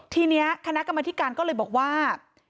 ทีนี้คณะกรรมธิการก็เลยบอกว่า